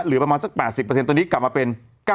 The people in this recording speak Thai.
ประมาณสัก๘๐ตอนนี้กลับมาเป็น๙๐